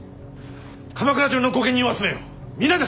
鎌倉中の御家人を集めよ。